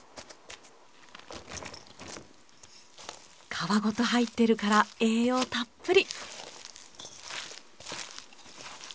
皮ごと入ってるから栄養たっぷり！